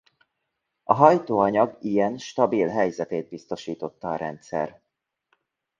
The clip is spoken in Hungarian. A hajtóanyag ilyen stabil helyzetét biztosította a rendszer.